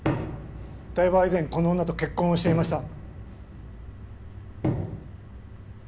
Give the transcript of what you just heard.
台場は以前この女と結婚をしていました。